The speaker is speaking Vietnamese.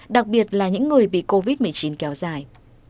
đặc biệt là những người bị covid một mươi chín kéo dài